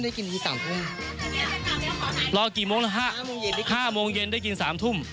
กินทีสามทุ่มรอกี่โมงแล้วห้าโมงเย็นห้าโมงเย็นได้กินสามทุ่ม